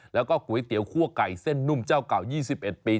แล้วก็ก๋วยเตี๋ยวคั่วไก่เส้นนุ่มเจ้าเก่า๒๑ปี